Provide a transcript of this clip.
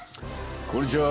こんにちは！